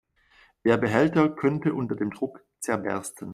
Der Behälter könnte unter dem Druck zerbersten.